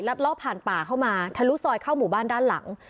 ล่อผ่านป่าเข้ามาทะลุซอยเข้าหมู่บ้านด้านหลัง